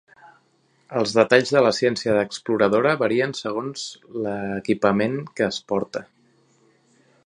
Els detalls de la ciència d'exploradora varien segons l'equipament que es porta.